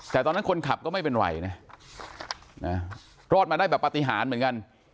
แต่ตอนนั้นคนขับก็ไม่เป็นไรนะรอดมาได้แบบปฏิหารเหมือนกัน